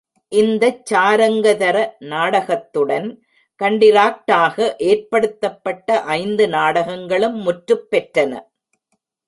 இந்தச் சாரங்கதர நாடகத்துடன் கண்டிராக்டாக ஏற்படுத்தப்பட்ட ஐந்து நாடகங்களும் முற்றுப்பெற்றன.